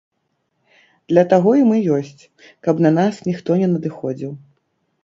Для таго і мы ёсць, каб на нас ніхто не надыходзіў.